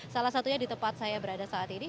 salah satunya di tempat saya berada saat ini